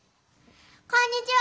こんにちは！